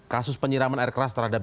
kasus penyiraman air keras terhadap